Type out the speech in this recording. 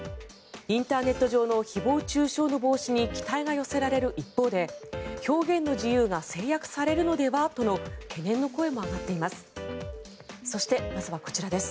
インターネット上の誹謗・中傷の防止に期待が寄せられる一方で表現の自由が制約されるのではと懸念の声も上がっています。